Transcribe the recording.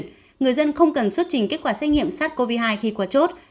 trong văn bản nêu rõ người dân không cần xuất trình kết quả xét nghiệm sars cov hai khi qua chốt